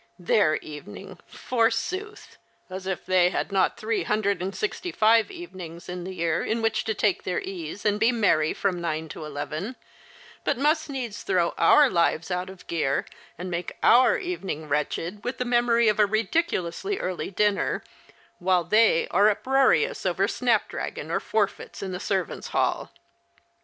"■ Their evening, forsooth ! As if they had not three hundred and sixty five evenings in the year in which to take their ease and be merry from nine to eleven, but I 130 The Christmas Hirelings. must needs throw our lives out of gear, and make our evening wretched with the memory of a ridiculously early dinner, while they are uproarious over snapdragon or forfeits in the servants' hall.